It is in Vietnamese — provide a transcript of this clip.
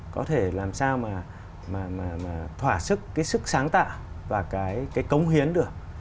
có thể làm sao mà thỏa sức cái sức sáng tạo và cái cống hiến được